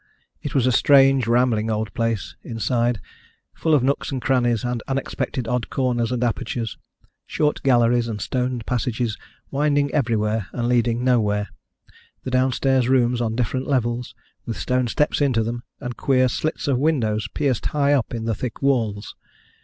It was a strange rambling old place inside, full of nooks and crannies, and unexpected odd corners and apertures, short galleries and stone passages winding everywhere and leading nowhere; the downstairs rooms on different levels, with stone steps into them, and queer slits of windows pierced high up in the thick walls.